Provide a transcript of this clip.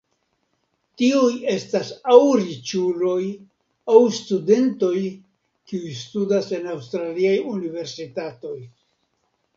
Tiuj estas aŭ riĉuloj aŭ studentoj, kiuj studas en aŭstraliaj universitatoj.